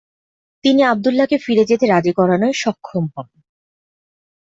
তিনি আবদুল্লাহকে ফিরে যেতে রাজি করানোয় সক্ষম হন।